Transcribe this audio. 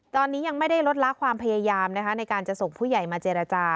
ตอนนี้ยังไม่ได้ลดละความพยายามนะคะในการจะส่งผู้ใหญ่มาเจรจา